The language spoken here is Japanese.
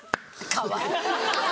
かわいい。